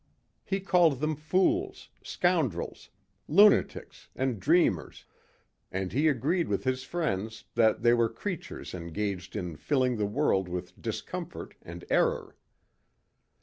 He called them fools, scoundrels, lunatics and dreamers and he agreed with his friends that they were creatures engaged in filling the world with discomfort and error.